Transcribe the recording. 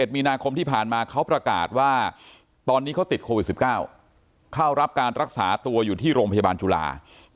มีนาคมที่ผ่านมาเขาประกาศว่าตอนนี้เขาติดโควิด๑๙เข้ารับการรักษาตัวอยู่ที่โรงพยาบาลจุฬา